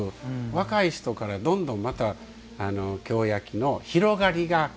若い人から、どんどんまた京焼の広がりが。